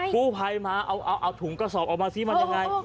กู้ภัยมาเอาถุงกระสอบออกมาสิมันยังไง